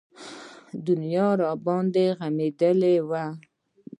دنيا راباندې غمېدلې وه.